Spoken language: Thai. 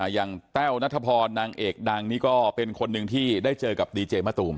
แต้วนัทพรนางเอกดังนี่ก็เป็นคนหนึ่งที่ได้เจอกับดีเจมะตูม